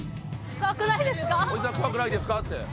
怖くないですか？